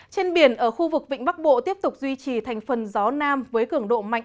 trên biển ở khu vực vịnh bắc bộ tiếp tục duy trì thành phần gió nam với cường độ mạnh